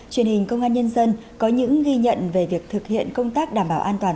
truyền hình công an nhân dân có những ghi nhận về việc thực hiện công tác đảm bảo an toàn